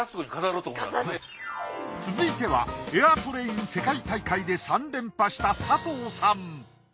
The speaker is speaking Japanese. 続いてはエアトレイン世界大会で３連覇した佐藤さん